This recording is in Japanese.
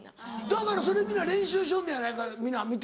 だからそれ皆練習しよんねやないか皆見て。